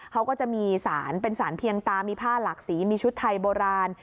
เขาก็จะมีศาลเป็นศาลเพียงตามีผ้าหลักสีมีชุดไถบ้าน